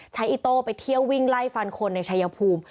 อิโต้ไปเที่ยววิ่งไล่ฟันคนในชายภูมิ